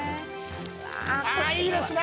あっいいですね！